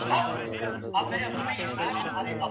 پارلمان نظامي مداخله نه غواړي.